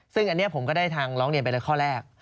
ซึ่งอันนี้ผมก็ได้ทางร้องเรียนไปแล้วข้อแรก